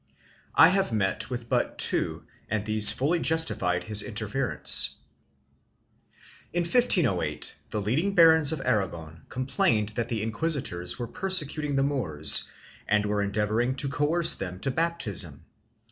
I have met with but two and these fully justified his interference. In 1508 the leading barons of Aragon complained that the inquisitors were persecuting the Moors and were endeavoring to coerce them to baptism.